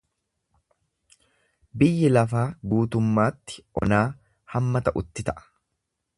Biyyi lafaa guutummaatti onaa hamma ta'utti ta'a.